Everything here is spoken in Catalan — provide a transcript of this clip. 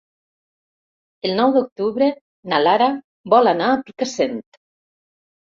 El nou d'octubre na Lara vol anar a Picassent.